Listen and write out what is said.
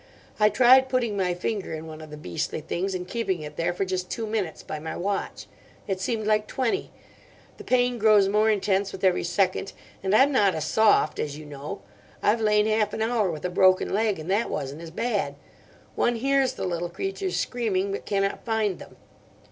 I tried putting my finger in one of the beastly things and keeping it there for just two minutes by my watch. It seemed like twenty. The pain grows more intense with every second, and I'm not a soft, as you know. I've lain half an hour with a broken leg, and that wasn't as bad. One hears the little creatures screaming, but cannot find them.